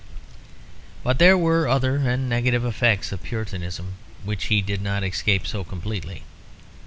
But there were other and negative effects of Puritanism which he did not escape so completely.